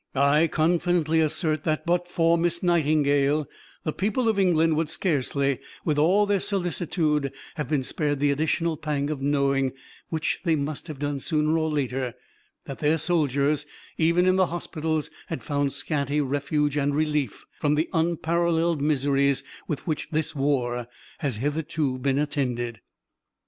I confidently assert that but for Miss Nightingale the people of England would scarcely, with all their solicitude, have been spared the additional pang of knowing, which they must have done sooner or later, that their soldiers, even in the hospitals, had found scanty refuge and relief from the unparalleled miseries with which this war has hitherto been attended."